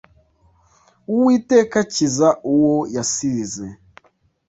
Uwiteka akiza uwo yasize.